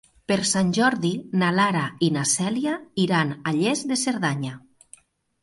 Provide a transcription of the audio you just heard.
Per Sant Jordi na Lara i na Cèlia iran a Lles de Cerdanya.